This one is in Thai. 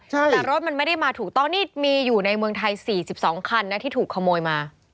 แต่รถมันไม่ได้มาถูกต้องนี่มีอยู่ในเมืองไทย๔๒คันนะที่ถูกขโมยมา